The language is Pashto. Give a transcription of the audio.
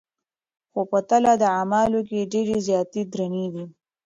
خو په تله د اعمالو کي ډېرې زياتي درنې دي